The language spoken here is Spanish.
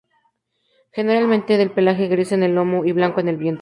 Generalmente, de pelaje gris en el lomo y blanco en el vientre.